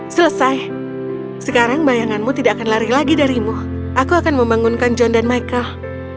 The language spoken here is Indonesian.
selesai sekarang bayanganmu tidak akan lari lagi darimu aku akan membangunkan john dan michael